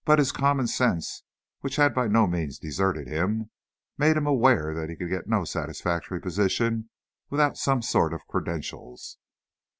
But his common sense, which had by no means deserted him, made him aware that he could get no satisfactory position without some sort of credentials.